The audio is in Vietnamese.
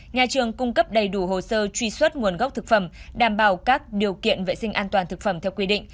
nhà trường cung cấp đầy đủ hồ sơ truy xuất nguồn gốc thực phẩm đảm bảo các điều kiện vệ sinh an toàn thực phẩm theo quy định